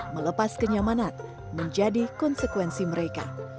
melepas kenyamanan menjadi konsekuensi mereka